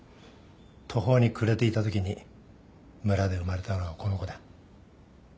途方に暮れていたときに村で生まれたのがこの子だ。